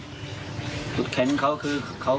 เตรียมป้องกันแชมป์ที่ไทยรัฐไฟล์นี้โดยเฉพาะ